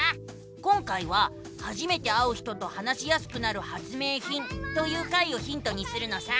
今回は「初めて会う人と話しやすくなる発明品」という回をヒントにするのさ！